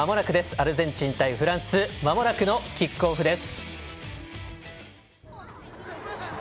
アルゼンチン対フランスまもなくのキックオフです。